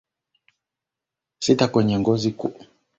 sita kwenye ngozi kubwa Njia hiyo ilisaidia kuona mara moja makosa